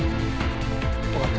わかった。